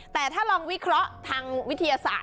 แต่ถ้าลองวิเคราะห์ทางวิทยาศาสตร์